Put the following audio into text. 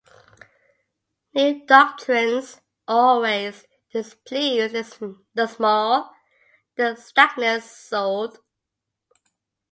New doctrines always displease the small and stagnant-souled.